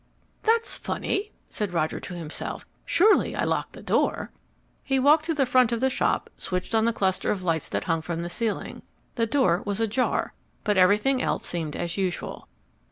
"That's funny," said Roger to himself. "Surely I locked the door?" He walked to the front of the shop, switching on the cluster of lights that hung from the ceiling. The door was ajar, but everything else seemed as usual.